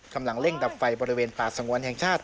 กำลังเร่งดับไฟบริเวณป่าสงวนแห่งชาติ